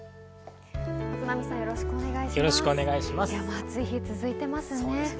暑い日、続いていますね。